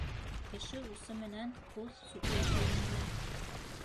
Кеше усы менән ҡуҙ сүпләп өйрәнгән.